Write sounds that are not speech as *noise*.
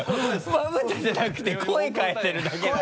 まぶたじゃなくて声変えてるだけなんだよ *laughs*